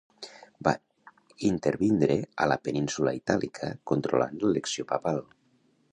Va intervindre a la península Itàlica controlant l'elecció papal.